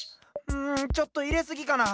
んちょっといれすぎかなあ。